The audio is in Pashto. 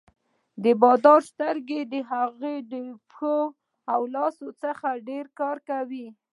د بادار سترګې د هغه د پښو او لاسونو څخه ډېر کار کوي.